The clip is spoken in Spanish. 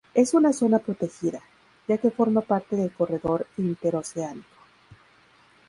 Es una zona protegida, ya que forma parte del corredor interoceánico.